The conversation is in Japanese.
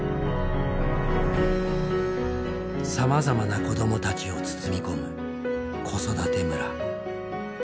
さまざまな子どもたちを包み込む「子育て村」。